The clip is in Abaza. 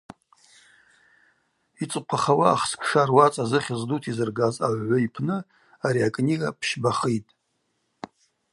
Йцӏыхъвахауа ахсквша руацӏа зыхьыз дута йзыргаз агӏвгӏвы йпны ари акнига пщбахитӏ.